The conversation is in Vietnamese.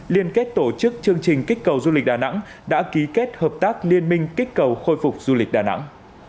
liên kết tổ chức chương trình kích cầu du lịch đà nẵng đã ký kết hợp tác liên minh kích cầu khôi phục du lịch đà nẵng